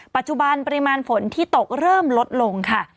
ปัจจุบันปริมาณฝนที่ตกเริ่มลดลงค่ะ